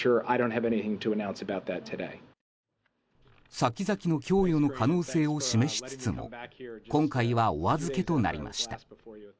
先々の供与の可能性を示しつつも今回はお預けとなりました。